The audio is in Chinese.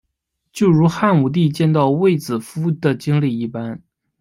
就如汉武帝见到卫子夫的经历一般。